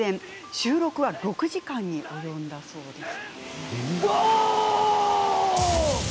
収録は６時間に及んだそうです。